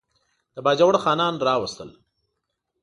د باجوړ خانان راوستل.